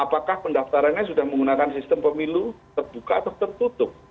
apakah pendaftarannya sudah menggunakan sistem pemilu terbuka atau tertutup